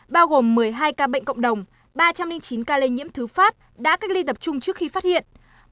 bao gồm một mươi hai ca bệnh cộng đồng ba trăm linh chín ca lây nhiễm thứ phát đã cách ly tập trung trước khi phát hiện